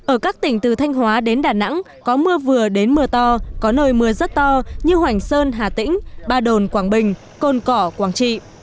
ở các tỉnh từ thanh hóa đến đà nẵng có mưa vừa đến mưa to có nơi mưa rất to như hoành sơn hà tĩnh ba đồn quảng bình côn cỏ quảng trị